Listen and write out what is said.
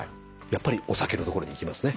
やっぱりお酒のところにいきますね。